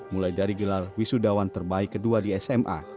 mulai dari gelar wisudawan terbaik kedua di sma